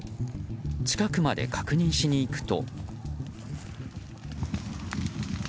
近くまで確認しに行くと。